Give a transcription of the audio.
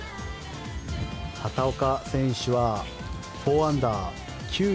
畑岡選手は４アンダー９位